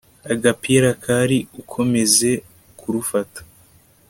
agapira kari ukomeze kurufata